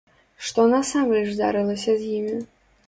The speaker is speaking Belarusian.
Што насамрэч здарылася з імі?